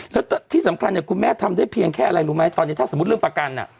แล้วที่สำคัญเนี่ยคุณแม่ทำได้เพียงแค่อะไรรู้ไหมตอนนี้ถ้าสมมุติเรื่องประกัน